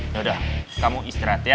yaudah kamu istirahat ya